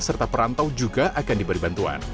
serta perantau juga akan diberi bantuan